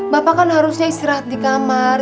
bapak kan harusnya istirahat di kamar